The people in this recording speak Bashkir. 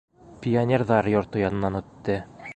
Пионерҙар йорто янынан үтте.